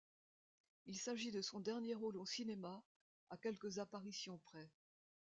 Il s'agit de son dernier rôle au cinéma, à quelques apparitions près.